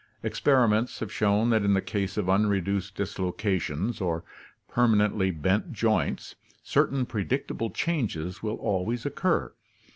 Experiments have shown that in the case of un reduced dislocations or permanently bent joints certain pre dictable changes will always occur.